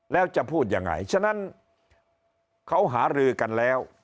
แล้วจะพูดยังไงฉะนั้นเขาหารือกันแล้ว